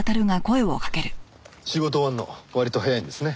仕事終わるの割と早いんですね。